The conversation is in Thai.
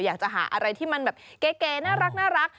อยากจะหาอะไรที่มันแบบเก๋น่ารัก